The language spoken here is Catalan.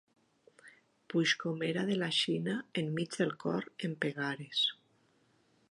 Puix com era de la Xina enmig del cor em pegares.